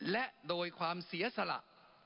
และโดยความเสียสละ